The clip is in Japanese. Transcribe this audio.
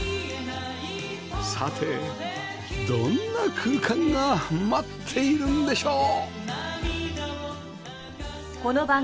さてどんな空間が待っているんでしょう？